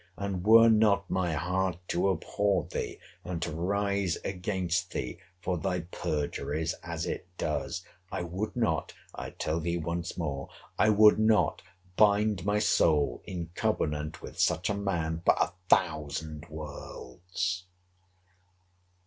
And, were not my heart to abhor thee, and to rise against thee, for thy perjuries, as it does, I would not, I tell thee once more, I would not, bind my soul in covenant with such a man, for a thousand worlds!